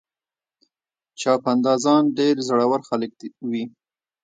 چاپندازان ډېر زړور خلک وي.